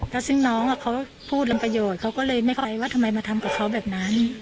ตัวสิ้นคู่น้องคือพูดกันประโยชน์เขาก็เลยไม่เข้าใครว่าทำไมมาทำกะเขาแบบนั้น